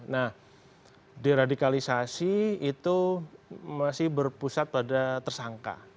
nah diradikalisasi itu masih berpusat pada tersangka